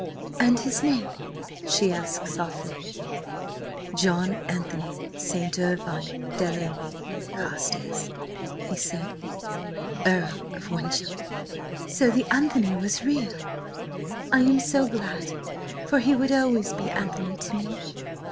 "And his name?" she asked softly. "John Anthony St. Ervine Delaney Carstares," he said, "Earl of Wyncham." "So the Anthony was real! I am so glad, for he would always be Anthony to me."